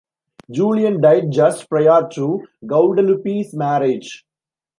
Julian died just prior to Guadalupe's marriage.